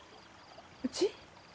うち？